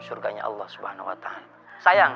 surganya allah swt sayang